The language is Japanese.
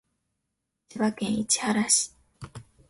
千葉県市原市